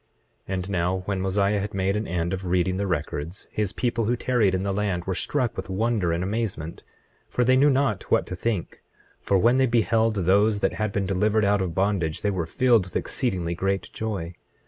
25:7 And now, when Mosiah had made an end of reading the records, his people who tarried in the land were struck with wonder and amazement. 25:8 For they knew not what to think; for when they beheld those that had been delivered out of bondage they were filled with exceedingly great joy.